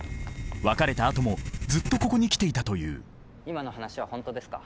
別れたあともずっとここに来ていたという今の話は本当ですか？